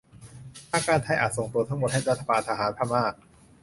ทางการไทยอาจส่งตัวทั้งหมดให้รัฐบาลทหารพม่า